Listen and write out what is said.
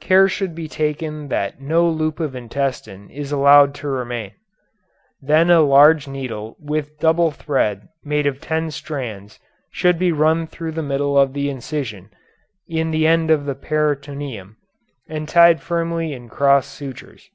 Care should be taken that no loop of intestine is allowed to remain. Then a large needle with double thread made of ten strands should be run through the middle of the incision in the end of the peritoneum, and tied firmly in cross sutures.